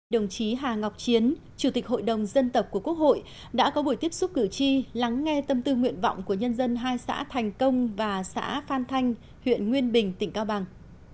đồng chí hà ngọc chiến chủ tịch hội đồng dân tộc của quốc hội đã có buổi tiếp xúc cử tri lắng nghe tâm tư nguyện vọng của nhân dân hai xã thành công và xã phan thanh huyện nguyên bình tỉnh cao bằng